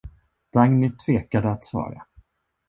Dagny tvekade att svara.